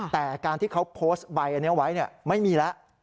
แต่การที่เขาโพสต์ใบอันนี้ไว้ไม่มีแล้ว